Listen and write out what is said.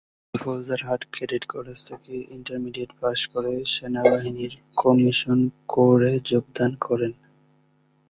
তিনি Faujdarhat cadet college থেকে intermediate pass করে সেনাবাহিনীর কমিশন কোরে যোগদান করেন।